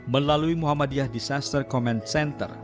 melalui muhammadiyah disaster command center